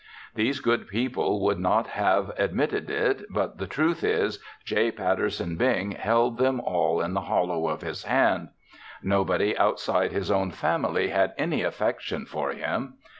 These good people would not have admitted it, but the truth is J. Patterson Bing held them all in the hollow of his hand. Nobody outside his own family had any affection for him.